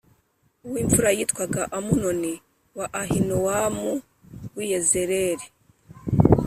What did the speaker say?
uw’imfura yitwaga Amunoni wa Ahinowamu w’i Yezerēli